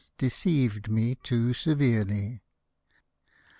deceived me too severely.